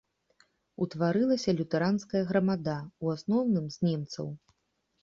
Утварылася лютэранская грамада, у асноўным з немцаў.